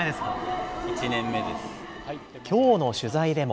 きょうの取材でも。